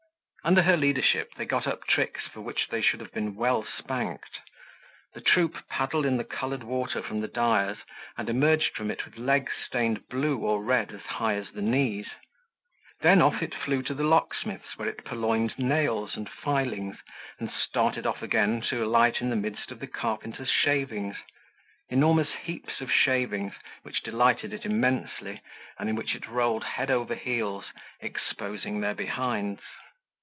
Under her leadership they got up tricks for which they should have been well spanked. The troop paddled in the colored water from the dyer's and emerged from it with legs stained blue or red as high as the knees; then off it flew to the locksmith's where it purloined nails and filings and started off again to alight in the midst of the carpenter's shavings, enormous heaps of shavings, which delighted it immensely and in which it rolled head over heels exposing their behinds.